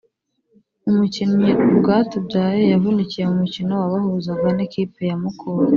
Umukinnyi rwatubyaye yavunikiye mumukino wabahuzaga nikipe ya mukura